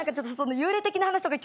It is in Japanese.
幽霊的な話とか。